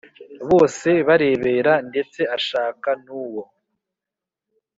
bose barebera, ndetse ashaka n'uwo